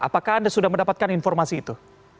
apakah anda sudah mendapatkan informasi itu